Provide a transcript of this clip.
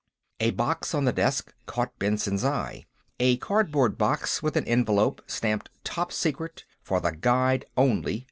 A box, on the desk, caught Benson's eye, a cardboard box with an envelope, stamped _Top Secret! For the Guide Only!